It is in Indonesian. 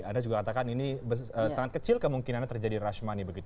anda juga katakan ini sangat kecil kemungkinan terjadi rashmani begitu